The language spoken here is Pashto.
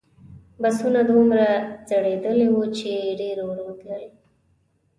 بسونه دومره زړیدلي وو چې ډېر ورو تلل.